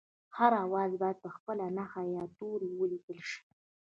هر آواز باید په خپله نښه یا توري ولیکل شي